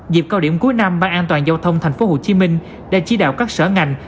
dịp cao điểm cuối năm ban an toàn giao thông tp hcm đã chỉ đạo các sở ngành